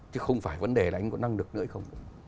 chứ không phải vấn đề là anh có năng lực nữa hay không